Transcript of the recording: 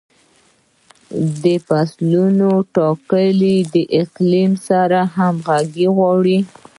د فصلونو ټاکنه د اقلیم سره همغږي غواړي.